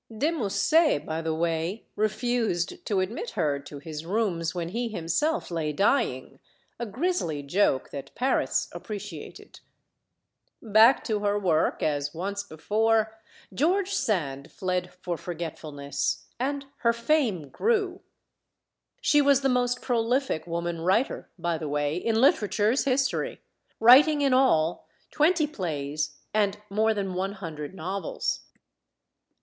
De Musset, by the way refused to admit her to his rooms when he himself lay dying a grisly joke that Paris appreciated. Back to her work, as once before, George Sand fled for forgetfulness. And her fame grew. She was the GEORGE SAND 173 most prolific woman writer, by the way, in literature's history; writing, in all, twenty plays and more than one hundred novels.